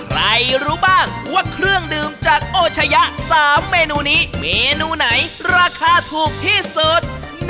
รู้บ้างว่าเครื่องดื่มจากโอชะยะ๓เมนูนี้เมนูไหนราคาถูกที่สุด